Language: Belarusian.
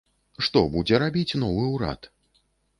Што будзе рабіць новы ўрад?